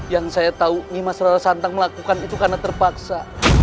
yang saya tahu nyimah sr santang melakukan itu karena terpaksa